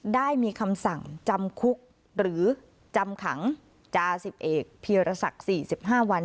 ได้มีคำสั่งจำคุกหรือจำขังจาสิบเอกพีรศักดิ์๔๕วัน